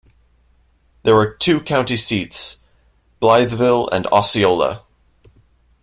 There are two county seats, Blytheville and Osceola.